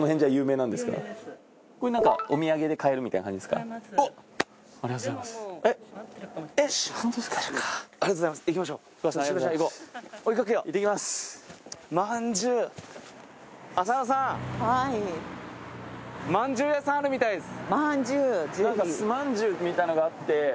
なんかすまんじゅうみたいなのがあって。